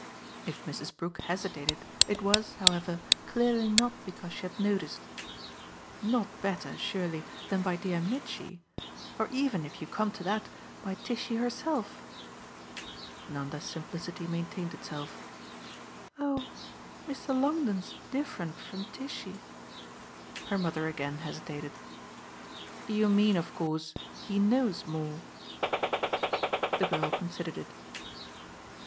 If Mrs. Brook hesitated it was, however, clearly not because she had noticed. "Not better surely than by dear Mitchy? Or even if you come to that by Tishy herself." Nanda's simplicity maintained itself. "Oh Mr. Longdon's different from Tishy." Her mother again hesitated. "You mean of course he knows more?" The girl considered it.